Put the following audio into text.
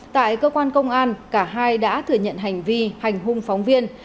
tại cơ quan công an cả hai đã thừa nhận hành vi hành hung phóng viên